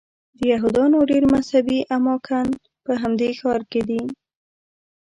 د یهودانو ډېر مذهبي اماکن په همدې ښار کې دي.